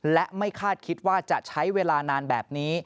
และไม่คาดคิดว่าจะใช้เวลานานแบบนี้